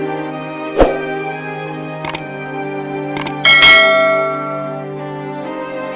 saya sudah berhenti